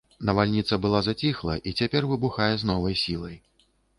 Навальніца была заціхла і цяпер выбухае з новай сілай.